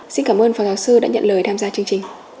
xin cảm ơn phó giáo sư đã nhận lời tham gia chương trình